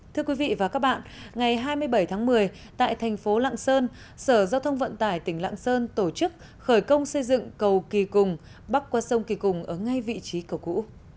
thưa quý vị và các bạn ngày hai mươi bảy tháng một mươi tại thành phố lạng sơn sở giao thông vận tải tỉnh lạng sơn tổ chức khởi công xây dựng cầu kỳ cùng bắc qua sông kỳ cùng ở ngay vị trí cầu cũ